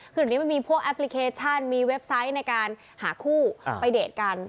คือเดี๋ยวนี้มันมีพวกแอปพลิเคชันมีเว็บไซต์ในการหาคู่ไปเดทกัน